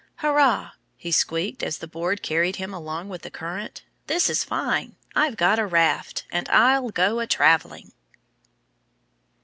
"Hurrah!" he squeaked as the board carried him along with the current. "This is fine! I've got a raft. And I'll go a traveling."